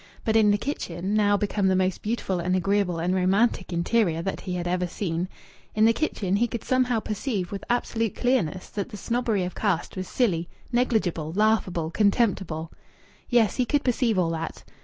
But in the kitchen, now become the most beautiful and agreeable and romantic interior that he had ever seen in the kitchen he could somehow perceive with absolute clearness that the snobbery of caste was silly, negligible, laughable, contemptible. Yes, he could perceive all that!